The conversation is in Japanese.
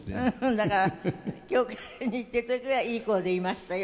だから教会に行っている時はいい子でいましたよ